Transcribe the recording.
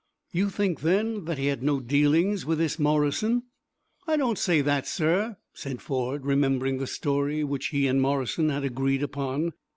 "You think, then, that he had no dealings with this Morrison?" "I don't say that, sir," said Ford, remembering the story which he and Morrison had agreed upon.